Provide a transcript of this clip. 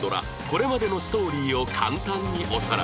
これまでのストーリーを簡単におさらい